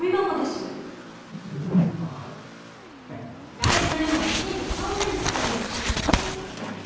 大事なメモはきちんと帳面につけるようにしてください。